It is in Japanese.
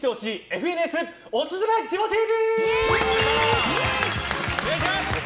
ＦＮＳおすすめジモＴＶ。